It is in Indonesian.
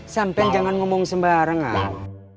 sampain jangan ngomong sembarang ah